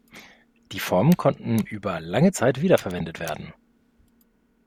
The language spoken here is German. Die Formen konnten über lange Zeit wiederverwendet werden.